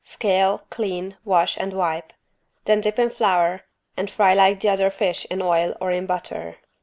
Scale, clean, wash and wipe. Then dip in flour and fry like the other fish in oil or in butter.